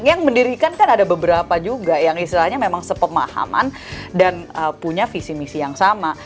yang mendirikan kan ada beberapa juga yang istilahnya memang sepemahaman dan punya visi misi yang sama